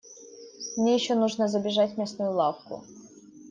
Мне ещё нужно забежать в мясную лавку.